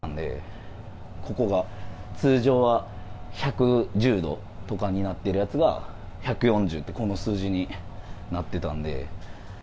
ここが、通常は１１０度とかになっているやつが、１４０って、この数字になってたんで。